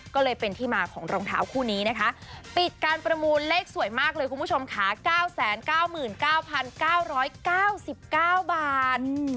ก็เลยเป็นที่มาของรองเท้าคู่นี้นะคะปิดการประมูลเลขสวยมากเลยคุณผู้ชมค่ะ๙๙๙๙๙๙บาท